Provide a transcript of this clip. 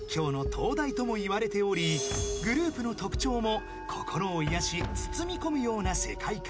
［グループの特徴も心を癒やし包みこむような世界観］